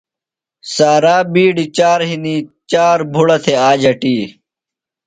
سارا بِیڈیۡ چار ہِنیۡ، چار بُھڑہ تھےۡ آج اٹی